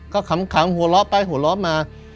ก็ขำหัวเราะไปหัวเราะมา